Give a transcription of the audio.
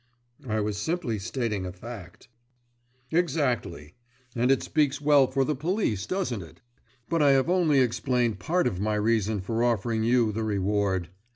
"I was simply stating a fact." "Exactly; and it speaks well for the police, doesn't it? But I have only explained part of my reason for offering you the reward.